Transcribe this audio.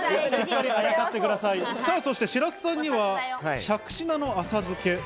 そして白洲さんにはしゃくし菜の浅漬け。